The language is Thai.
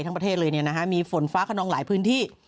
ทั้งประเทศเลยนะฮะมีฝนฟ้าขนองหลายพื้นที่